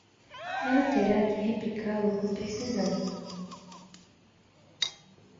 Ela terá que replicá-lo com precisão.